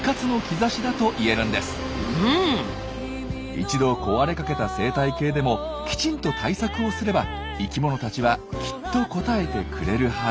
一度壊れかけた生態系でもきちんと対策をすれば生きものたちはきっと応えてくれるはず。